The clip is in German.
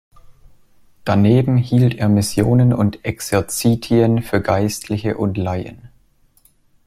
Daneben hielt er Missionen und Exerzitien für Geistliche und Laien.